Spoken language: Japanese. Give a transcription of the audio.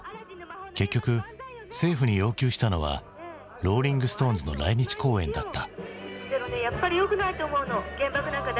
結局政府に要求したのはローリング・ストーンズの来日公演だった。